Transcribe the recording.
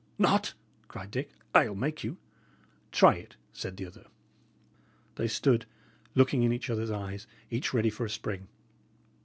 "Not?" cried Dick. "I'll make you!" "Try it," said the other. They stood, looking in each other's eyes, each ready for a spring.